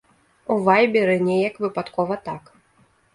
У вайберы неяк выпадкова так.